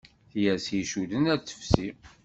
Tiyersi icudden ar tefsi.